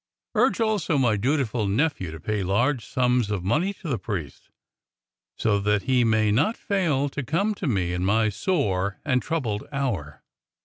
Urge also my dutiful nephew to pay large sums of money to the priest so that he may not fail to come to me in my sore and troubled hour."